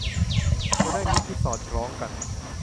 จะได้มิตรที่สอดคล้องกัน